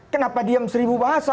kenapa diam seribu bahasa